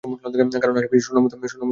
কারণ আশেপাশে শোনার মতো কেউ নেই।